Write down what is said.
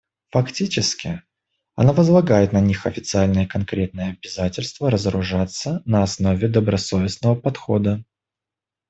Фактически, она возлагает на них официальное и конкретное обязательство разоружаться на основе добросовестного подхода.